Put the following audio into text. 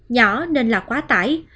nhỏ nên là quá tải